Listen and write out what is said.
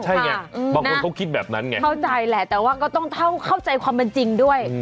ใช่ไงบางคนเขาคิดแบบนั้นไงเข้าใจแหละแต่ว่าก็ต้องเข้าใจความเป็นจริงด้วย